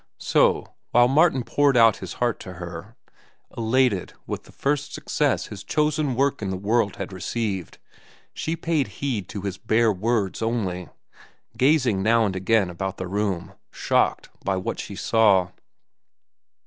So, while Martin poured out his heart to her, elated with the first success his chosen work in the world had received, she paid heed to his bare words only, gazing now and again about the room, shocked by what she saw.